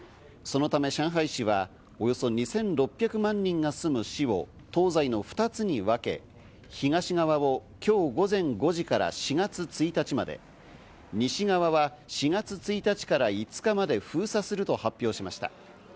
そのため上海市はおよそ２６００万人が住む市を東西の２つに分け、東側を今日午前５時から４月１日まで、西側は４月１日から５日まで封鎖すると発表しました。